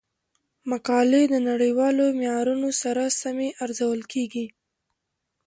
مقالې د نړیوالو معیارونو سره سمې ارزول کیږي.